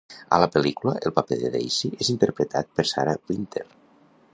A la pel·lícula, el paper de Daisy és interpretat per Sarah Wynter.